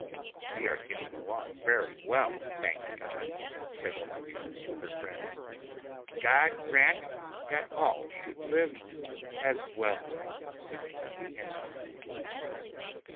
"We are getting along very well, thank God," said Olenka to her friends. "God grant that all should live as well as Vasichka and I."